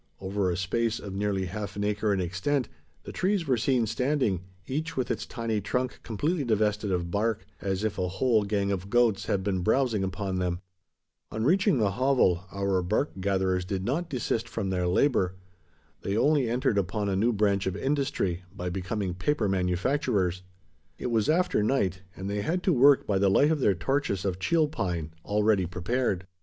Over a space, of nearly half an acre in extent, the trees were seen standing, each with its tiny trunk completely divested of bark: as if a whole gang of goats had been browsing upon them! On reaching the hovel, our bark gatherers did not desist from their labour. They only entered upon a new branch of industry: by becoming paper manufacturers. It was after night; and they had to work by the light of their torches of cheel pine, already prepared.